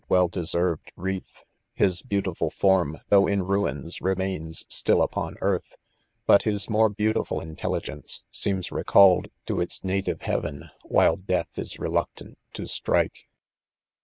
well deserved wreath, His beautiful form* though in rains, remains still upon, earth : hut his more beautiful intelligence seems recalled to its native heaven while death is reluctant to strike.